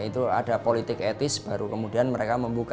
itu ada politik etis baru kemudian mereka membuka